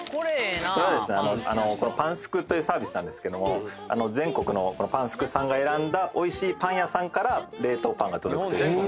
これはですねパンスクというサービスなんですけども全国のパンスクさんが選んだおいしいパン屋さんから冷凍パンが届くというへえー